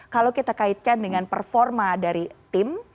kalau kita kaitkan dengan performa dari tim